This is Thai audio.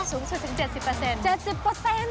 สูงสุดถึง๗๐๗๐